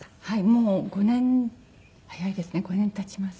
もう５年早いですね５年経ちます。